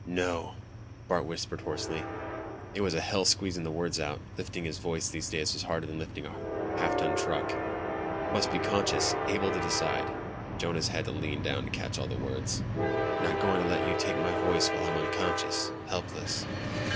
"No," Bart whispered hoarsely. It was hell squeezing the words out. Lifting his voice these days was harder than lifting a half ton truck. "Must be conscious, able to decide." Jonas had to lean down to catch all the words. "Not going to let you take my voice while I'm unconscious ... helpless